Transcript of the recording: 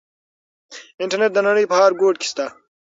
انټرنيټ د نړۍ په هر ګوټ کې شته.